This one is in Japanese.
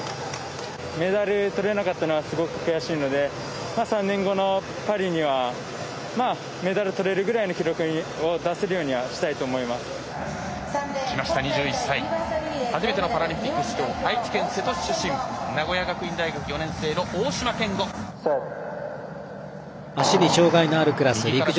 メダル取れなかったのはすごく悔しいので３年後のパリにはまあ、メダル取れるぐらいの記録を出せるようには来ました、２１歳初めてのパラリンピック出場。